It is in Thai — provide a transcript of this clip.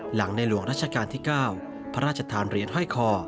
หลังในหลวงรัชกาลที่๙พระราชทานเหรียญห้อยคอ